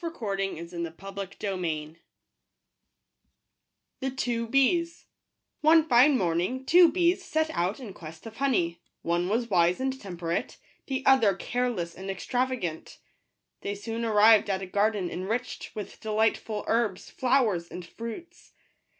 fen rtfl'/l/Stl 1 1 NE fine morning two bees set out in quest of honey: one was wise and temperate, the other careless and ex travagant. They soon arrived at a garden enriched with delightful herbs, flowers, and fruits.